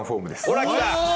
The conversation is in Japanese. ほらきた。